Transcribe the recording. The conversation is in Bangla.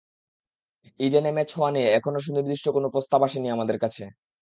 ইডেনে ম্যাচ হওয়া নিয়ে এখনো সুনির্দিষ্ট কোনো প্রস্তাব আসেনি আমাদের কাছে।